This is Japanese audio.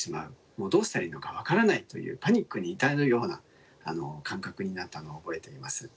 どうしたらいいのか分からないというパニックに至るような感覚になったのを覚えています。